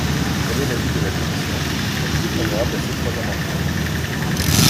Quel est l’avis de la commission ? Avis défavorable à ces trois amendements.